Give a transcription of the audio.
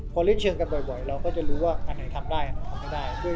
พอเล่นเชิงกันบ่อยเราก็จะรู้ว่าอันไหนทำได้เราทำไม่ได้